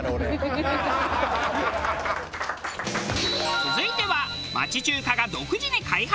続いては町中華が独自に開発！